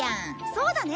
そうだね。